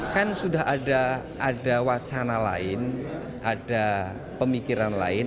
kan sudah ada wacana lain ada pemikiran lain